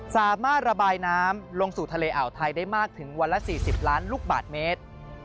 สามารถระบายน้ำลงสู่ทะเลอ่าวไทยได้มากถึงวันละ๔๐ล้านลูกบาทเมตร